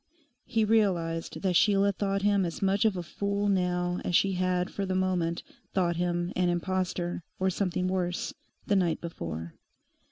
He realised that Sheila thought him as much of a fool now as she had for the moment thought him an impostor, or something worse, the night before.